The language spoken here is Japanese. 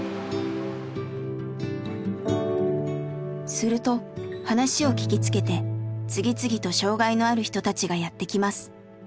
すると話を聞きつけて次々と障害のある人たちがやって来ます。